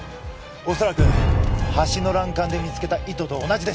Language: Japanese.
恐らく橋の欄干で見つけた糸と同じです。